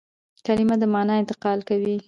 کلیمه د مانا انتقال کوي.